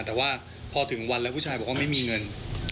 แต่ว่าพอถึงวันแล้วผู้ชายบอกว่าไม่มีเงิน